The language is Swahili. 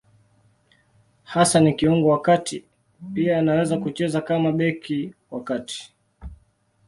Hasa ni kiungo wa kati; pia anaweza kucheza kama beki wa kati.